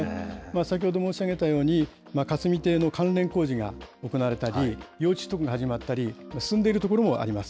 先ほど申し上げたように、霞提の関連工事が行われたり、用地取得が始まったり、進んでいる所もあります。